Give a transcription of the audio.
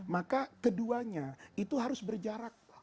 maka keduanya itu harus berjarak